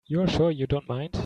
You're sure you don't mind?